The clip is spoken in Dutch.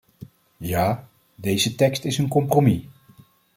Ja, deze tekst is een compromis.